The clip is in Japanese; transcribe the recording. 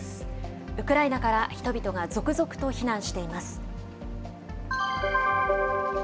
ウクライナから人々が続々と避難しています。